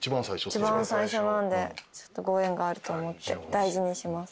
一番最初なんでちょっとご縁があると思って大事にします。